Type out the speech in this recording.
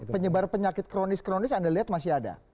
penyebar penyakit kronis kronis anda lihat masih ada